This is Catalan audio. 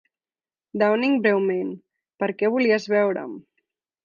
Downing breument, "per què volies veure'm?